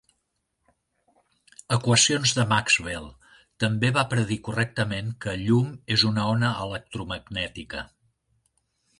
Equacions de Maxwell També va predir correctament que llum és una ona electromagnètica.